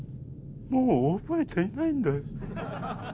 もう覚えていないんだよ。